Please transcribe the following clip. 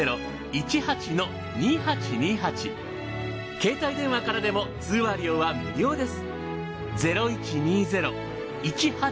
携帯電話からでも通話料は無料です。